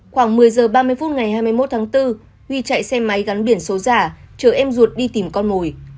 khoảng một mươi h ba mươi phút ngày hai mươi một tháng bốn huy chạy xe máy gắn biển số giả chở em ruột đi tìm con mồi